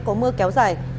có mưa kéo dài